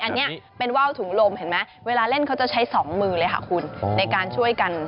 อันนี้เป็นว่าวถุงลมเห็นไหมเวลาเล่นเขาจะใช้สองมือเลยค่ะคุณในการช่วยกัน